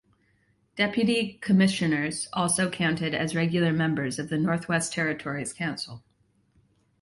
Deputy Commissioners also counted as regular members of the Northwest Territories council.